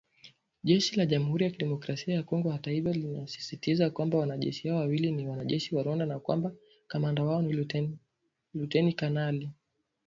Jeshi la Jamhuri ya kidemokrasia ya Kongo hata hivyo linasisitiza kwamba “wanajeshi hao wawili ni wanajeshi wa Rwanda na kwamba kamanda wao ni Luteni Kanali.